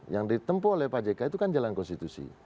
yang ditempuh oleh pak jk itu kan jalan konstitusi